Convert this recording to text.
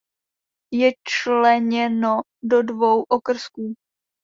Je členěno do dvou okrsků.